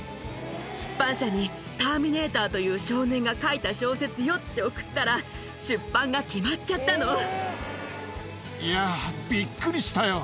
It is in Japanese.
出版社にターミネーターという少年が書いた小説よって送ったら、いやー、びっくりしたよ。